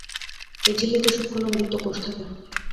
এই ঝিল্লিতে সূক্ষ্ম লোমযুক্ত কোষ থাকে।